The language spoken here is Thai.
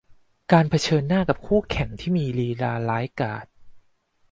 การเผชิญหน้ากับคู่แข่งขันที่มีลีลาร้ายกาจ